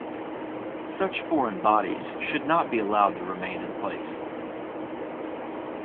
Such foreign bodies should not be allowed to remain in place.